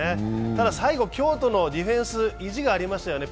ただ最後、京都のディフェンス、意地がありましたよね。